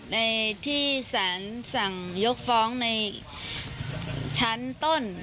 ในที่สารสั่งยกฟ้องในชั้นต้น